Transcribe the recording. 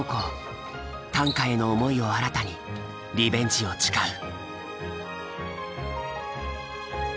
短歌への思いを新たにリベンジを誓う。